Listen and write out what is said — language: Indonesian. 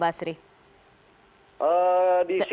biasanya sehari ada berapa trip reguler pak basri